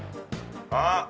あっ！